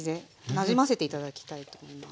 なじませて頂きたいと思います。